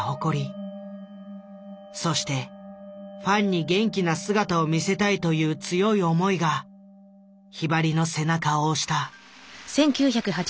そしてファンに元気な姿を見せたいという強い思いがひばりの背中を押した。